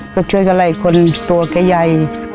ก็ช่วยกับใบคนตัวใกล้ใย